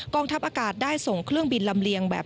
ทัพอากาศได้ส่งเครื่องบินลำเลียงแบบ